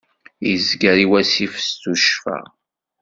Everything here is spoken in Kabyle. Izger i wassif s tuccfa.